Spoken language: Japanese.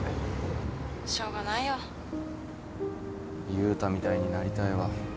悠太みたいになりたいわ。